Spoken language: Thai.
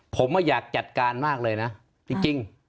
ผมอยากจัดการมากเลยนะจริง